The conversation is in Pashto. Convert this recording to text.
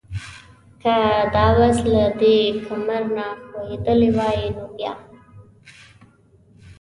که دا بس له دې کمر نه ښویېدلی وای نو بیا؟